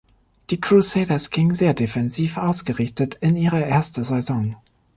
Die Crusaders gingen sehr defensiv ausgerichtet in ihre erste Saison.